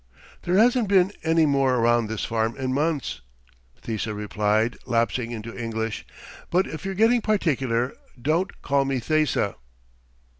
"There hasn't been anyone around this farm in months," Thesa replied, lapsing into English. "But if you're getting particular, don't call me Thesa."